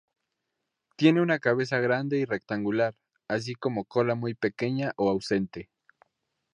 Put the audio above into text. Tienen una cabeza grande y rectangular, así como cola muy pequeña o ausente.